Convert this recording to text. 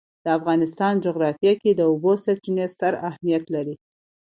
د افغانستان جغرافیه کې د اوبو سرچینې ستر اهمیت لري.